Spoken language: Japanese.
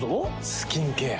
スキンケア。